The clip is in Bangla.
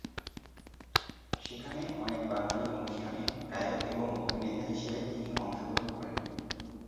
সেখানে অনেক বাঙালি অনুষ্ঠানে গায়ক এবং অভিনেতা হিসেবে তিনি অংশগ্রহণ করেন।